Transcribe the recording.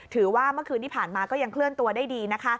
เมื่อคืนที่ผ่านมาก็ยังเคลื่อนตัวได้ดีนะคะ